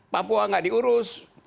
papua nggak diurus